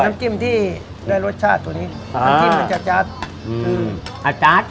น้ำจิ้มที่ได้รสชาติตรงนี้อาจารย์อาจารย์